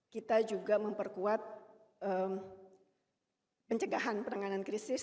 kita juga memperkuat pencegahan penanganan krisis